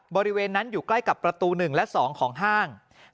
บริเวณนั้นอยู่ใกล้กับประตู๑และ๒ของห้าง